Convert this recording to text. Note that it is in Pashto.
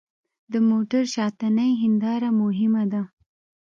د موټر شاتنۍ هېنداره مهمه ده.